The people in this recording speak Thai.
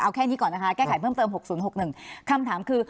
เอาแค่นี้ก่อนนะคะแก้ไขเพิ่มเติมหกศูนย์หกหนึ่งคำถามคือ